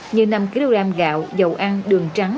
như năm kg gạo dầu ăn đường trắng